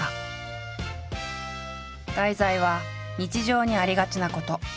題材は日常にありがちなこと。